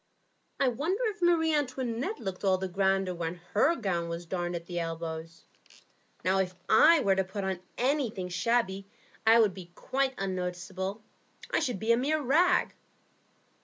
I wonder if Marie Antoinette looked all the grander when her gown was darned at the elbows. Now, if I were to put anything shabby on, I should be quite unnoticeable. I should be a mere rag."